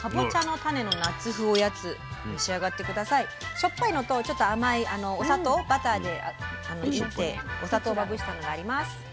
しょっぱいのとちょっと甘いお砂糖バターでいってお砂糖をまぶしたのがあります。